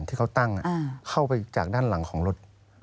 ที่เขาตั้งเข้าไปจากด้านหลังของรถ